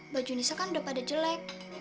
baju nisa kan udah pada jelek